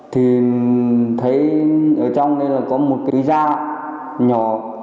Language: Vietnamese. thì thấy ở trong đây là có một cái da nhỏ